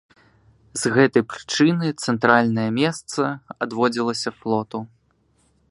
З гэтай прычыны цэнтральнае месца адводзілася флоту.